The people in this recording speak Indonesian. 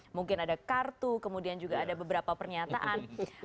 mungkin ada kartu kemudian juga ada beberapa pernyataan